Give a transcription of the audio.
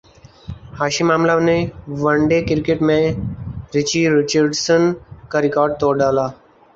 ہاشم املہ نے one day cricket میں Richie Richardson کا ریکارڈ توڑ ڈالا